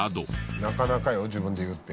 なかなかよ自分で言うって。